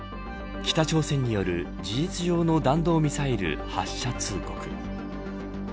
北朝鮮による事実上の弾道ミサイル発射通告。